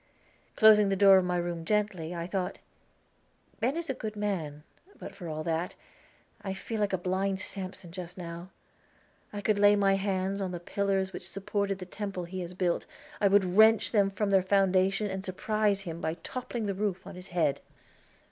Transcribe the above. Closing the door of my room gently, I thought: "Ben is a good man; but for all that, I feel like blind Sampson just now. Could I lay my hands on the pillars which supported the temple he has built, I would wrench them from their foundation and surprise him by toppling the roof on his head."